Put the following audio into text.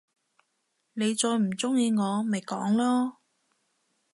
你再唔中意我，咪講囉！